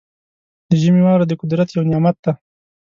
د ژمي واوره د قدرت یو نعمت دی.